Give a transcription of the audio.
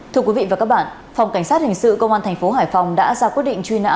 thưa quý vị và các bạn phòng cảnh sát hình sự công an thành phố hải phòng đã ra quyết định truy nã